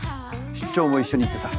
出張も一緒に行ってさ。